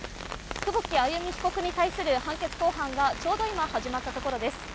久保木愛弓被告に対する判決公判が、ちょうど今始まったところです。